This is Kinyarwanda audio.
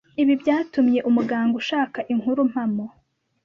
ibi byatumye umuganga. ushaka inkuru mpamo